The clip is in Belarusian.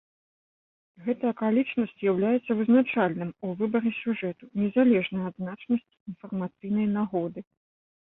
Гэта акалічнасць з'яўляецца вызначальным у выбары сюжэту, незалежна ад значнасці інфармацыйнай нагоды.